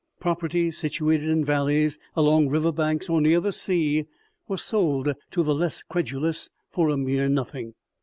Property situated in valleys, along river banks, or near the sea, was sold to the less credulous for a mere nothing.